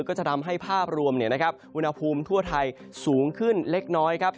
ก็จะทำให้ภาพรวมอุณหภูมิทั่วไทยสูงขึ้นเล็กน้อยครับ